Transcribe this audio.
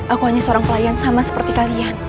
aku hanya seorang pelayan sama seperti kalian